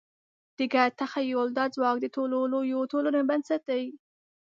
د ګډ تخیل دا ځواک د ټولو لویو ټولنو بنسټ دی.